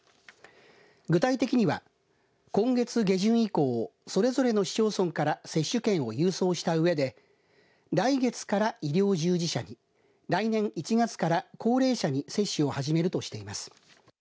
具体的には今月下旬以降それぞれの市町村から接種券を郵送したうえで来月から医療従事者に来年１月から高齢者に接種を始めるとしています。